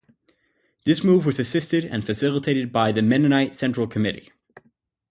This move was assisted and facilitated by the Mennonite Central Committee.